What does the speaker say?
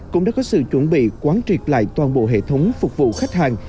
cũng đã có sự chuẩn bị quán triệt lại toàn bộ hệ thống phục vụ khách hàng